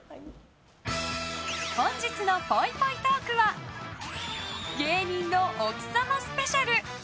本日のぽいぽいトークは芸人の奥様スペシャル。